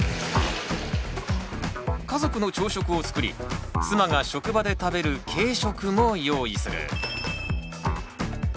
家族の朝食を作り妻が職場で食べる軽食も用意する。